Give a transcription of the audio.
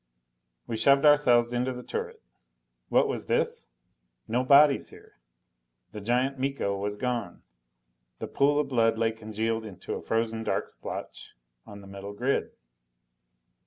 We shoved ourselves into the turret. What was this? No bodies here! The giant Miko was gone! The pool of blood lay congealed into a frozen dark splotch on the metal grid.